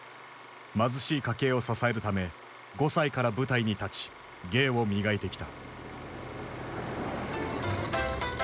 貧しい家計を支えるため５歳から舞台に立ち芸を磨いてきた。